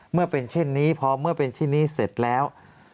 เมื่อเป็นเช่นนี้พอเมื่อเป็นชิ้นนี้เสร็จแล้ว